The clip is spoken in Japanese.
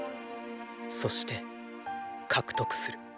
そしてーー獲得する。